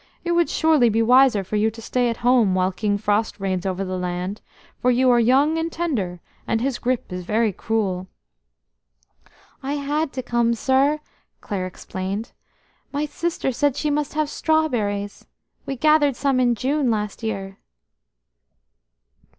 "It would surely be wiser for you to stay at home while King Frost reigns over the land, for you are young and tender, and his grip is very cruel." "I had to come, sir," Clare explained. "My sister said she must have strawberries. We gathered some in June last year."